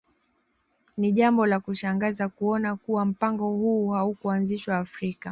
Ni jambo la kushangaza kuona kuwa mpango huu haukuanzishwa Afrika